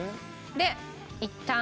でいったん。